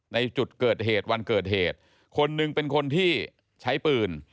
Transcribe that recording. ในจุดเกิดเหตุวันเกิดเหตุคนหนึ่งเป็นคนที่ใช้ปืน